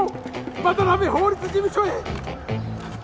斑目法律事務所へ！